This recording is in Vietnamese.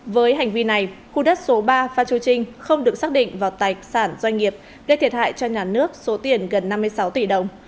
với hành vi này khu đất số ba phan chu trinh không được xác định vào tài sản doanh nghiệp gây thiệt hại cho nhà nước số tiền gần năm mươi sáu tỷ đồng